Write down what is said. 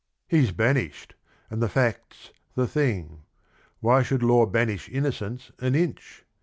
"He 's banished, and the fact 's the thing. Why should law banish innocence an inch?